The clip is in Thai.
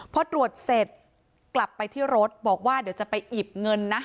พอตรวจเสร็จกลับไปที่รถบอกว่าเดี๋ยวจะไปหยิบเงินนะ